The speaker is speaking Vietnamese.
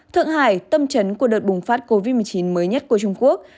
thượng hải tâm trấn của đợt bùng phát covid một mươi chín mới nhất của trung quốc